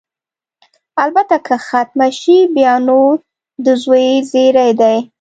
البته که ختمه شي، بیا نو د زوی زېری دی.